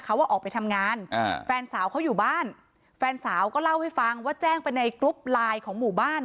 เขาว่าออกไปทำงานแฟนสาวเขาอยู่บ้านแฟนสาวก็เล่าให้ฟังว่าแจ้งไปในกรุ๊ปไลน์ของหมู่บ้าน